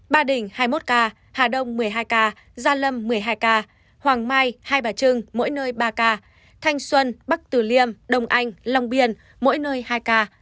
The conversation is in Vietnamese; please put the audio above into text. ba đình hai mươi một ca hà đông một mươi hai ca gia lâm một mươi hai ca hoàng mai hai bà trưng mỗi nơi ba ca thanh xuân bắc tử liêm đông anh long biên mỗi nơi hai ca